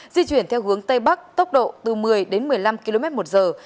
di chuyển theo hướng tây bắc tốc độ từ một mươi đến một mươi năm km một giờ